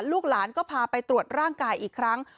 ลูกหลานก็พาไปตรวจร่างกายอีกครั้ง